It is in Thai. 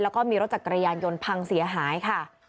แล้วก็มีรถจักรยานยนต์พังเสียหายค่ะ